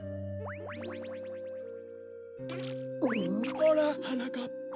ほらはなかっぱ。